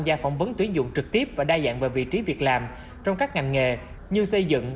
gia phỏng vấn tuyển dụng trực tiếp và đa dạng về vị trí việc làm trong các ngành nghề như xây dựng